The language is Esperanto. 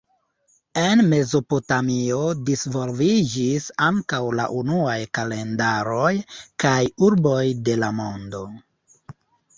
En Mezopotamio disvolviĝis ankaŭ la unuaj kalendaroj kaj urboj de la mondo.